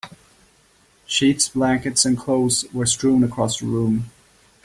Sheets, blankets, and clothes were strewn across the room.